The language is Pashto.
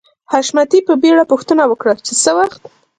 حشمتي په بېړه پوښتنه وکړه چې څه وخت